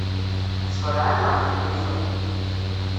Tessexleɛ-aneɣ Ḥnifa.